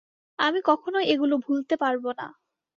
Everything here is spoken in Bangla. আমি কখনোই এগুলো ভুলতে পারবো না।